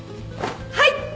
はい！